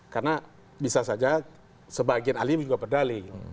karena bisa saja sebagian alim juga berdalih